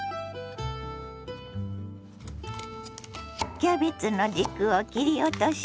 キャベツの軸を切り落とします。